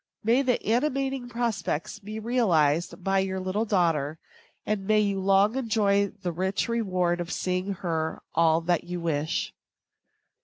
May these animating prospects be realized by your little daughter, and may you long enjoy the rich reward of seeing her all that you wish.